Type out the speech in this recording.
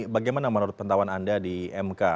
bagaimana menurut pantauan anda di mk